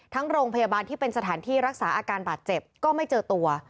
โรงพยาบาลที่เป็นสถานที่รักษาอาการบาดเจ็บก็ไม่เจอตัว